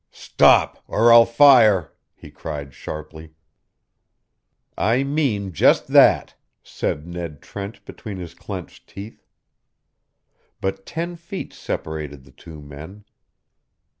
"Stop, or I'll fire!" he cried, sharply. "I mean just that," said Ned Trent between his clenched teeth. But ten feet separated the two men.